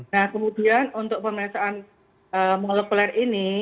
nah kemudian untuk pemeriksaan molekuler ini